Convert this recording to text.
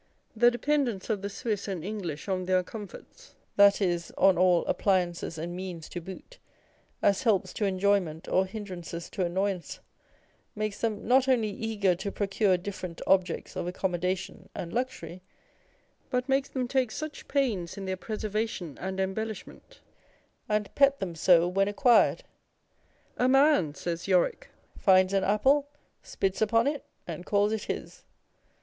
The dependence of the Swiss and English on their comforts, that is, on all " appliances and means to boot," as helps to enjoyment or hindrances to annoyance, makes them not only eager to procure different objects of accommodation and luxury, but makes them take such pains in their preservation and embellishment, and pet them so when acquired. u A man," says Yorick, " finds an apple, spits upon it, and calls it his."